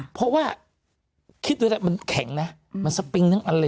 เพราะว่าอืมค่ะเค้งนะมันมันเอ่ย